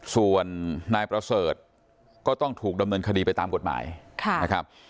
ส่วนนายประเสริฐก็ต้องถูกดำเนินคดีไปตามกฎหมายนะครับ